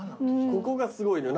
ここがすごいのよ。